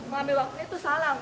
mengambil waktu itu salah